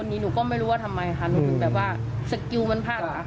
นี่ไงสแกนมาทุกคน